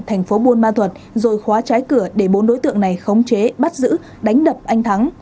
thành phố buôn ma thuật rồi khóa trái cửa để bốn đối tượng này khống chế bắt giữ đánh đập anh thắng